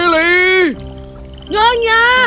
nyonya bisakah kau mendengarkan itu